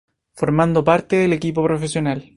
Formando parte del equipo profesional.